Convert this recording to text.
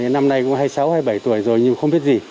năm nay cũng hai mươi sáu hai mươi bảy tuổi rồi nhưng không biết gì